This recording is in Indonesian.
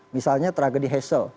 misalnya tragedi hassell